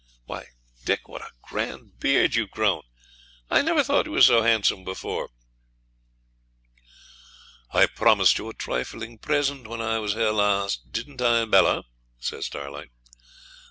Why, Dick, what a grand beard you've grown! I never thought you was so handsome before!' 'I promised you a trifling present when I was here last, didn't I, Bella?' says Starlight.